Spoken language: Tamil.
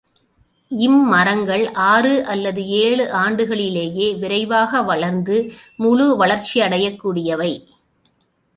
இம் மரங்கள் ஆறு அல்லது ஏழு ஆண்டுகளிலேயே விரைவாக வளர்ந்து முழு வளர்ச்சியடையக் கூடியவை.